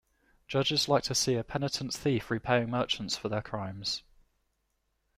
Judges like to see a penitent thief repaying merchants for their crimes.